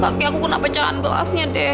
kaki aku kena pecahan gelasnya deh